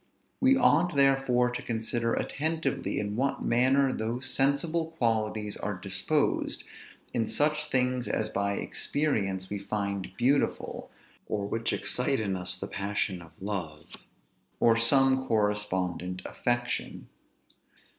We ought, therefore, to consider attentively in what manner those sensible qualities are disposed, in such things as by experience we find beautiful, or which excite in us the passion of love, or some correspondent affection.